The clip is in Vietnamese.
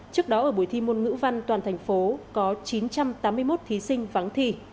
trước đó ở buổi thi môn ngữ văn toàn thành phố có chín trăm tám mươi một thí sinh vắng thi